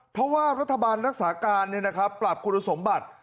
เพราะว่ารัฐบาลนักศาสตร์การเนี่ยนะครับปรับคุณสมบัติ